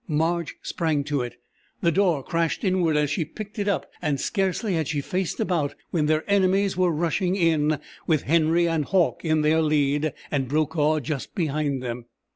Marge sprang to it. The door crashed inward as she picked it up, and scarcely had she faced about when their enemies were rushing in, with Henry and Hauck in their lead, and Brokaw just behind them.